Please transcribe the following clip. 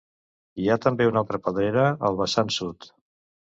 Hi ha també una altra pedrera al vessant sud.